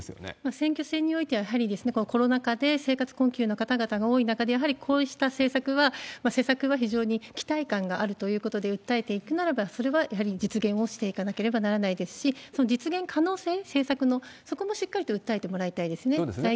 選挙戦においてはやはり、コロナ禍で生活困窮の方々が多い中で、やはりこうした政策は、施策は非常に期待感があるということで訴えていくならば、それはやはり実現をしていかなければならないですし、その実現可能性、政策の、そこもしっかりと訴えてもらいたいですね。